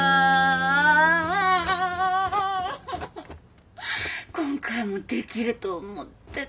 今回もできると思ってた。